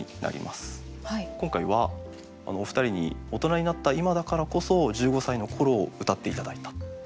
今回はお二人に大人になった今だからこそ１５歳の頃をうたって頂いた。